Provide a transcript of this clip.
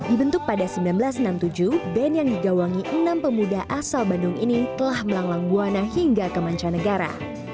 dibentuk pada seribu sembilan ratus enam puluh tujuh band yang digawangi enam pemuda asal bandung ini telah melanglang buana hingga ke mancanegara